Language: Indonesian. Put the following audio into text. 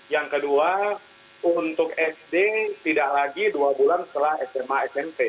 yang kedua untuk sd tidak lagi dua bulan setelah sma smp